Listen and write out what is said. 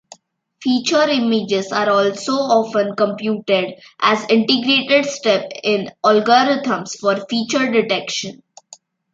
Feature images are also often computed as integrated step in algorithms for feature detection.